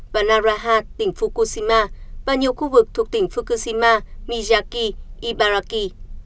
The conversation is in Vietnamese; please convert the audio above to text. và naraha tỉnh fukushima và nhiều khu vực thuộc tỉnh fukushima mijaki ibaraki